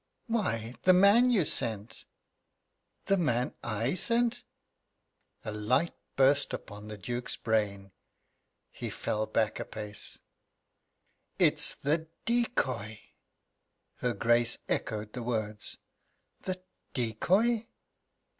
Why, the man you sent." "The man I sent?" A light burst upon the Duke's brain. He fell back a pace. "It's the decoy!" Her Grace echoed the words: "The decoy?"